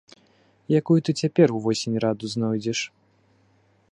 Якую ты цяпер увосень раду знойдзеш?